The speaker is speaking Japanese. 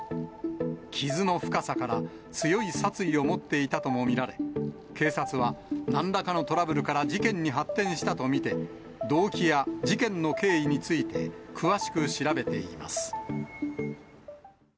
傷の深さから、強い殺意を持っていたとも見られ、警察は何らかのトラブルから事件に発展したと見て、動機や事件の経緯について、詳しく調べています。